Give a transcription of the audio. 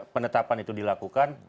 penetapan itu dilakukan